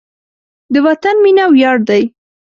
د وطن مینه ویاړ دی.